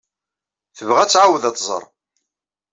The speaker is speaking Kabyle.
Tebɣa ad tɛawed ad t-tẓer.